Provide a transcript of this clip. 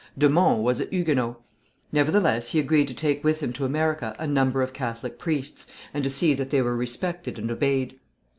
De Monts was a Huguenot; nevertheless he agreed to take with him to America a number of Catholic priests, and to see that they were respected and obeyed.